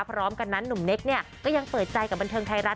พร้อมกันนั้นหนุ่มเน็กเนี่ยก็ยังเปิดใจกับบันเทิงไทยรัฐ